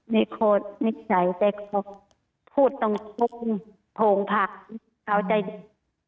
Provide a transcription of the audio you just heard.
มีคนนิสัยใจคอยพูดตรงโพงพักเขาใจอืม